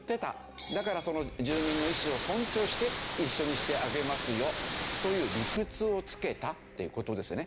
だからその住民の意思を尊重して一緒にしてあげますよという理屈をつけたっていう事ですよね。